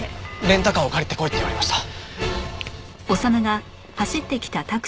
レンタカーを借りてこいって言われました。